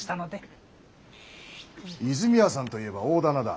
和泉屋さんといえば大店だ。